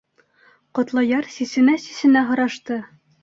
— Ҡотлояр сисенә-сисенә һорашты.